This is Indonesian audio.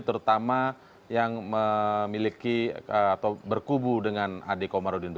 terutama yang memiliki atau berkubu dengan adik komarudin